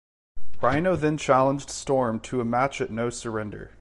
Rhino then challenged Storm to a match at No Surrender.